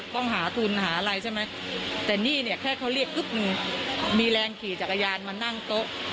ต้องหาทุนหาอะไรใช่ไหมแต่นี่เนี่ยแค่เขาเรียกปุ๊บหนึ่งมีแรงขี่จักรยานมานั่งโต๊ะ